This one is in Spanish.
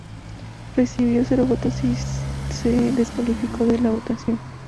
Recibió cero votos y se descalificó de la votación.